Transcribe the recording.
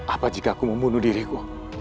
apa jika aku membunuh diriku